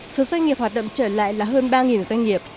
số doanh nghiệp hoạt động trở lại là hơn ba doanh nghiệp